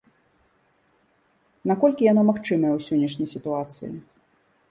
Наколькі яно магчымае ў сённяшняй сітуацыі?